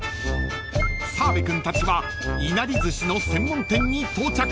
［澤部君たちはいなり寿司の専門店に到着］